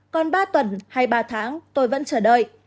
còn ba tuần hay ba tháng tôi vẫn chờ đợi